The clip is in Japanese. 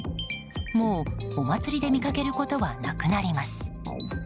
もうお祭りで見かけることはなくなります。